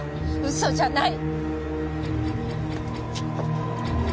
嘘じゃない！